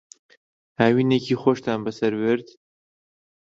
هاوینێکی خۆشتان بەسەر برد؟